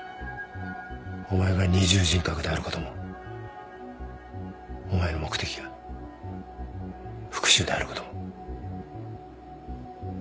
お前が二重人格であることもお前の目的が復讐であることも。